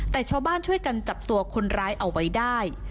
แต่ชาวบ้านช่วยกันจับตัวคนร้ายเอาไว้ได้